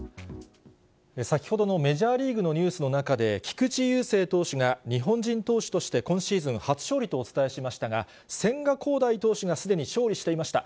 先ほどのメジャーリーグのニュースの中で、菊池雄星投手が日本人投手として、今シーズン初勝利とお伝えしましたが、千賀滉大投手がすでに勝利していました。